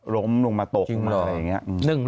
ล้มลงมาตกลงมาอะไรอย่างนี้